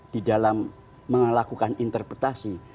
di dalam melakukan interpretasi